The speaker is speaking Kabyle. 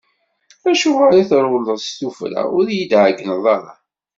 Acuɣer i trewleḍ s tuffra, ur yi-d-tɛeggneḍ ara?